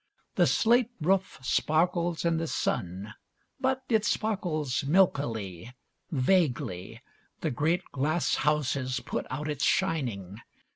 The slate roof sparkles in the sun, but it sparkles milkily, vaguely, the great glass houses put out its shining.